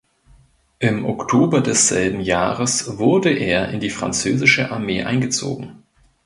Im Oktober desselben Jahres wurde er in die französische Armee eingezogen.